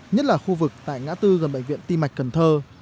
nhất là khu vực tại ngã tư gần bệnh viện tim mạch cần thơ